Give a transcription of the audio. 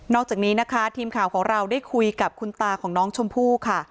อกจากนี้นะคะทีมข่าวของเราได้คุยกับคุณตาของน้องชมพู่ค่ะ